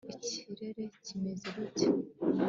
ikirere kimeze gute